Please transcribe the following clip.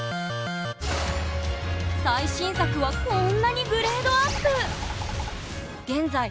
最新作はこんなにグレードアップ！